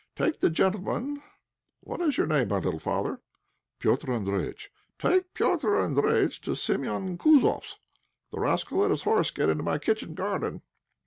Take the gentleman What is your name, my little father?" "Petr' Andréjïtch." "Take Petr' Andréjïtch to Séméon Kouzoff's. The rascal let his horse get into my kitchen garden.